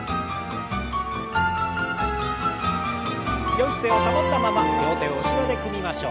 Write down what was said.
よい姿勢を保ったまま両手を後ろで組みましょう。